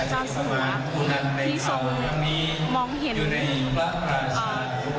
ที่สมมองเห็นการทำหน้าที่ของจาแซมนะครับ